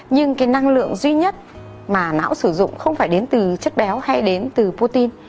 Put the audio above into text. nhưng cái năng lượng duy nhất mà não sử dụng không phải đến từ chất béo hay đến từ putin